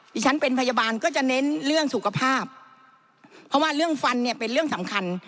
ที่ฉันเป็นพยาบาลก็จะเน้นเรื่องสุขภาพเพราะว่าเรื่องฟันเนี่ยเป็นเรื่องสำคัญ